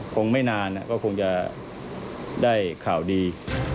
คงไม่นานก็คงจะได้ข่าวดี